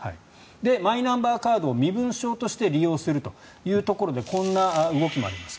マイナンバーカードを身分証として利用するというところでこんな動きもあります。